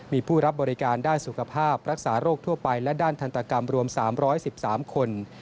มีผู้รับบริการด้านสุขภาพรักษาโรคทั่วไปและด้านทันตกรรมรวม๓๑๓คน